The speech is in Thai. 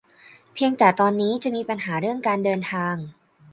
เพียงแต่ตอนนี้จะมีปัญหาเรื่องการเดินทาง